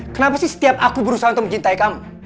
kenapa sih setiap aku berusaha untuk mencintai kamu